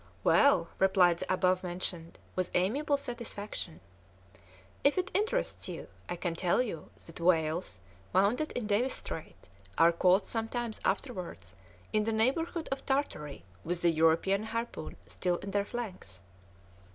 "Well," replied the above mentioned, with amiable satisfaction, "if it interests you, I can tell you that whales, wounded in Davis's Straits, are caught some time afterwards in the neighbourhood of Tartary with the European harpoon still in their flanks."